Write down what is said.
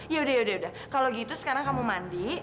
yaudah yaudah yaudah kalau gitu sekarang kamu mandi